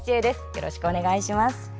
よろしくお願いします。